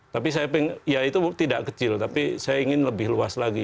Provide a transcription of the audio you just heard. tapi saya ya itu tidak kecil tapi saya ingin lebih luas lagi